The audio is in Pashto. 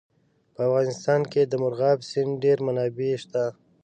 په افغانستان کې د مورغاب سیند ډېرې منابع شته.